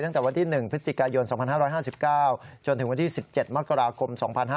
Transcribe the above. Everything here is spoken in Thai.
ตั้งแต่วันที่๑พฤศจิกายน๒๕๕๙จนถึงวันที่๑๗มกราคม๒๕๕๙